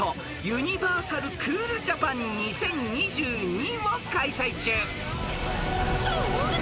ユニバーサル・クールジャパン２０２２を開催中］